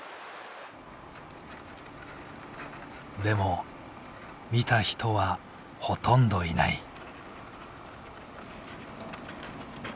でも見た人はほとんどいない。